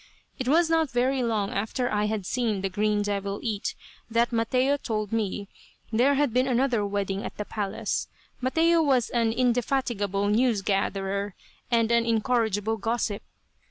It was not very long after I had seen the green devil eat that Mateo told me there had been another wedding at the palace. Mateo was an indefatigable news gatherer, and an incorrigible gossip.